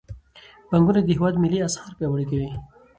بانکونه د هیواد ملي اسعار پیاوړي کوي.